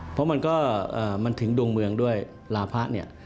เพราะมันก็ถึงดวงเมืองด้วยลาพระ